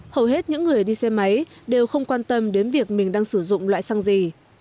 hầu hết những người đi xe máy đều không quan tâm đến việc mình đang sử dụng loại xăng gì